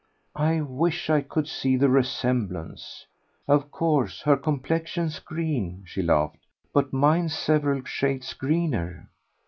"I wish I could see the resemblance. Of course her complexion's green," she laughed; "but mine's several shades greener."